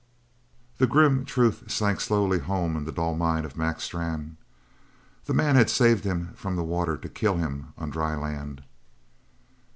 The grim truth sank slowly home in the dull mind of Mac Strann. The man had saved him from the water to kill him on dry land.